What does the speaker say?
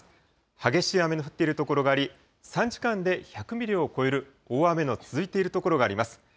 激しい雨の降っている所があり、３時間で１００ミリを超える大雨の続いている所があります。